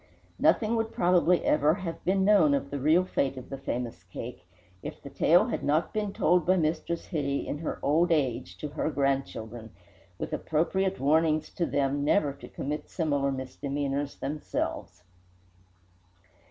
Nothing would probably ever have been known of the real fate of the famous cake if the tale had not been told by Mistress Hitty in her old age to her grandchildren, with appropriate warnings to them never to commit similar misdemeanours themselves.